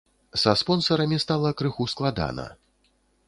Са спонсарамі стала крыху складана.